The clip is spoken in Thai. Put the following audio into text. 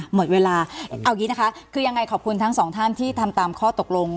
หมดเวลาเอาอย่างนี้นะคะคือยังไงขอบคุณทั้งสองท่านที่ทำตามข้อตกลง